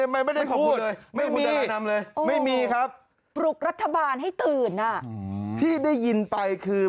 ไม่ได้ขอบคุณไม่มีครับปลุกรัฐบาลให้ตื่นที่ได้ยินไปคือ